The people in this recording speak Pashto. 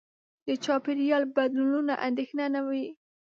د چاپېریال بدلونونو اندېښنه نه وي.